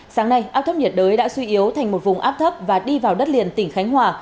sáng nay áp thấp nhiệt đới đã suy yếu thành một vùng áp thấp và đi vào đất liền tỉnh khánh hòa